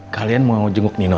kalian mau jenguk nino